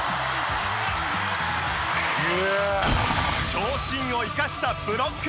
長身を生かしたブロック！